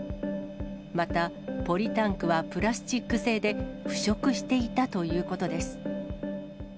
また、ポリタンクはプラスチック製で、腐食していたということです。